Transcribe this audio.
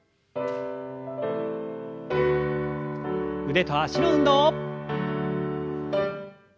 腕と脚の運動。